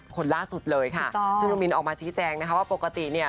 คนล่าสุดเลยค่ะซึ่งน้องมินออกมาชี้แจงนะคะว่าปกติเนี่ย